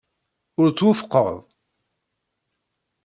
Ur twufqeḍ?